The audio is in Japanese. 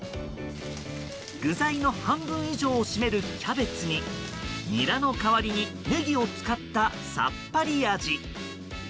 具材の半分以上を占めるキャベツにニラの代わりにネギを使った、さっぱり味。